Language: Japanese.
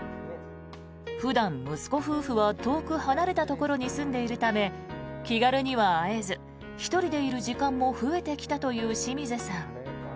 普段、息子夫婦は遠く離れたところに住んでいるため気軽には会えず１人でいる時間も増えてきたという清水さん。